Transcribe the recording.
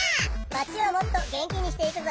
マチをもっと元気にしていくぞ！